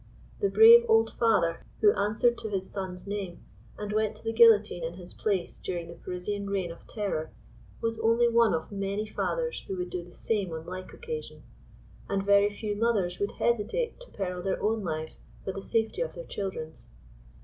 " The hrave old father who answered to his son's name, and went to the guillotine in his place during the Parisian Reign of Terror," was only one of many fathei^ who would do the same on like occasion ; and very few mothers would hesitate to peril their own lives for the safety of their children's.